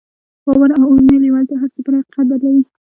باور او اورنۍ لېوالتیا هر څه پر حقيقت بدلوي.